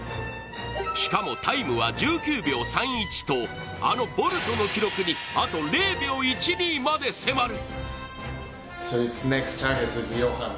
しかも、タイムは１９秒３１とあのボルトの記録にあと０秒１２まで迫る。